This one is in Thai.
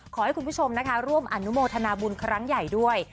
ขอให้คุณผู้ชมนะคะร่วมอนุโมทนาบุญครั้งใหญ่ด้วย